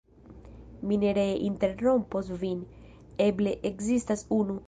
Mi ne ree interrompos vin; eble ekzistas unu.